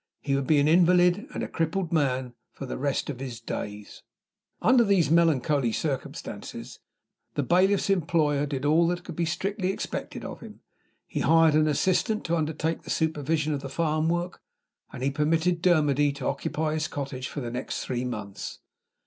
He would be an invalid and a crippled man for the rest of his days. Under these melancholy circumstances, the bailiff's employer did all that could be strictly expected of him, He hired an assistant to undertake the supervision of the farm work, and he permitted Dermody to occupy his cottage for the next three months.